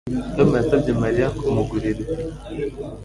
Tom yasabye Mariya kumugurira itike